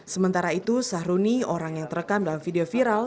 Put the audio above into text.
sementara itu sahruni orang yang terekam dalam video viral